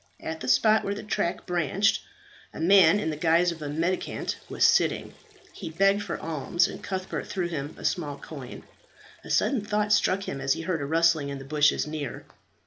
At the spot where the track branched, a man in the guise of a mendicant was sitting. He begged for alms, and Cuthbert threw him a small coin. A sudden thought struck him as he heard a rustling in the bushes near.